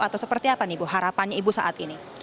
atau seperti apa nih ibu harapannya ibu saat ini